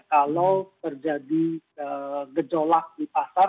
kalau terjadi gejolak di pasar